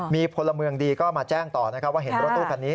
มีพลเมืองดีก็มาแจ้งต่อนะครับว่าเห็นรถตู้คันนี้